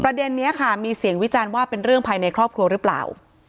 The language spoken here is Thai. ประเด็นนี้ค่ะมีเสียงวิจารณ์ว่าเป็นเรื่องภายในครอบครัวหรือเปล่า